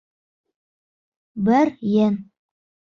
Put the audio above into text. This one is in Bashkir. Бер ен: